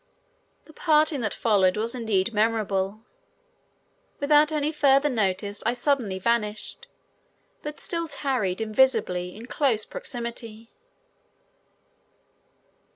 The parting that followed was indeed memorable. Without any further notice I suddenly vanished, but still tarried invisibly in close proximity.